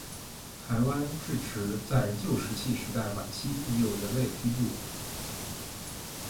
台湾至迟在旧石器时代晚期已有人类居住。